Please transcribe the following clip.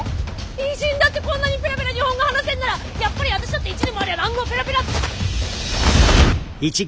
異人だってこんなにペラペラ日本語が話せるんならやっぱり私だって１年もあれば蘭語をペラペラっと！